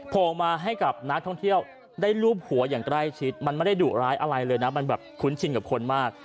โผล่มาให้กับนักท่องเที่ยวได้รูปหัวอย่างใกล้ชิดมันไม่ได้ดุร้ายอะไรเลยนะมันแบบคุ้นชินกับคนมาก